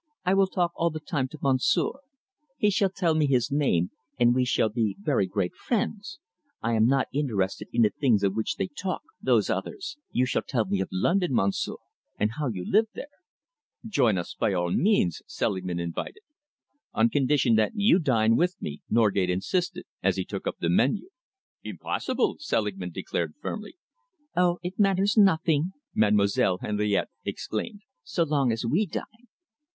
"I will talk all the time to monsieur. He shall tell me his name, and we shall be very great friends. I am not interested in the things of which they talk, those others. You shall tell me of London, monsieur, and how you live there." "Join us, by all means," Selingman invited. "On condition that you dine with me," Norgate insisted, as he took up the menu. "Impossible!" Selingman declared firmly. "Oh! it matters nothing," Mademoiselle Henriette exclaimed, "so long as we dine."